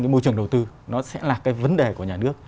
cái môi trường đầu tư nó sẽ là cái vấn đề của nhà nước